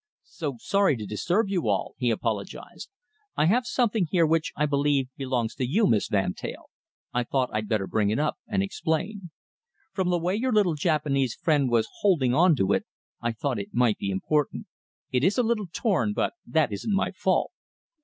"So sorry to disturb you all," he apologised. "I have something here which I believe belongs to you, Miss Van Teyl. I thought I'd better bring it up and explain. From the way your little Japanese friend was holding on to it, I thought it might be important. It is a little torn, but that isn't my fault."